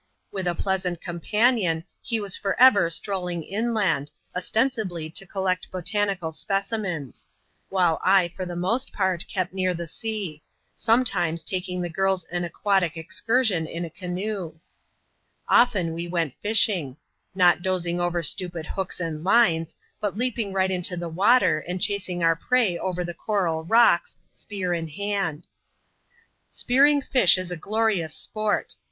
With a pleasant companion, he was for ever strolling inland, ostensibly to collect botanical specimens ; while I, for the most part, kept near the sea; sometimes taking the girls an aquatic excursion in a canoe. Often we went fishing •, no^ ^oi.\xi« w^x stMigid hooks and CHAjp. Lxx.] LIFE AT LOOHOOLOO. 269 lines, but leaping right into the water, and chasing our prey over the coral rocks, spear in hand. Spearing fish is glorious sport.